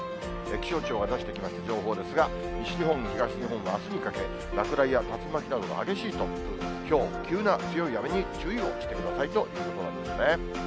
気象庁が出してきました情報ですが、西日本、東日本もあすにかけ、落雷や竜巻などの激しい突風、ひょう、急な強い雨に注意をしてくださいということなんですね。